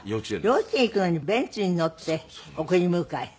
幼稚園行くのにベンツに乗って送り迎え。